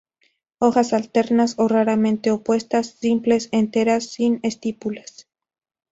Hojas alternas o raramente opuestas, simples, enteras sin estípulas.